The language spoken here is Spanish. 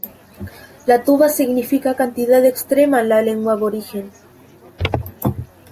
La tuba significa cantidad extrema en la lengua aborigen.